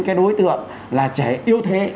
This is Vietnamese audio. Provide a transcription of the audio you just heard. cái đối tượng là trẻ yêu thế